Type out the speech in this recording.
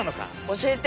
教えて。